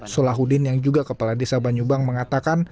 solahuddin yang juga kepala desa banyubang mengatakan